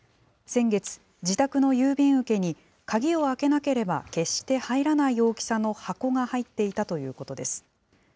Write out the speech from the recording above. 先月、自宅の郵便受けに、鍵を開けなければ決して入らない大きさの箱が入っていたということです。